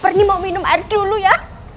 berani mau minum air dulu ya